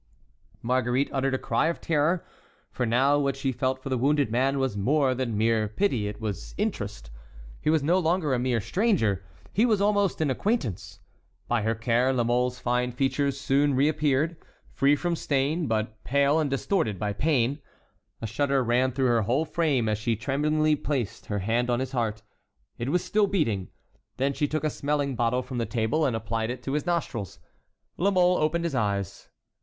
Marguerite uttered a cry of terror, for now what she felt for the wounded man was more than mere pity—it was interest. He was no longer a mere stranger: he was almost an acquaintance. By her care La Mole's fine features soon reappeared, free from stain, but pale and distorted by pain. A shudder ran through her whole frame as she tremblingly placed her hand on his heart. It was still beating. Then she took a smelling bottle from the table, and applied it to his nostrils. La Mole opened his eyes.